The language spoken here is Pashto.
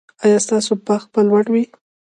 ایا ستاسو بخت به لوړ وي؟